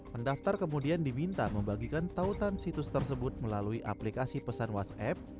pendaftar kemudian diminta membagikan tautan situs tersebut melalui aplikasi pesan whatsapp